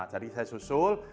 jadi saya susul